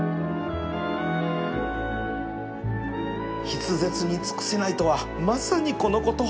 筆舌に尽くせないとはまさにこのこと